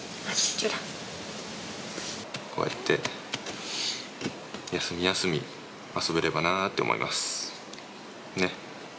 こうやって休み休み遊べればなと思います。